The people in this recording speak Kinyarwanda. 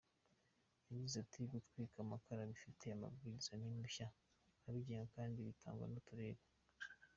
Yagize ati “Gutwika amakara bifite amabwiriza n’impushya abigenga kandi bitangwa n’uturere.